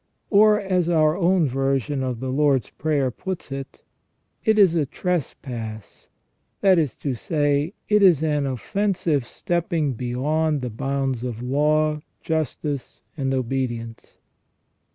Or, as our own version of the Lord's Prayer puts it, it is a trespass, that is to say, it is an offensive stepping beyond the bounds of law, justice, and obedience.